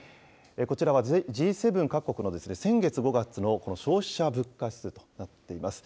こちらはＧ７各国の先月・５月の消費者物価指数となっています。